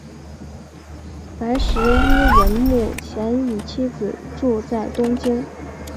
白石一文目前与妻子住在东京。